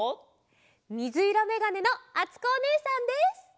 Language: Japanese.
みずいろめがねのあつこおねえさんです！